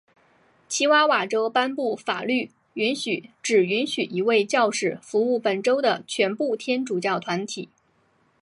奇瓦瓦州颁布法律允许只允许一位教士服务本州的全部天主教团体。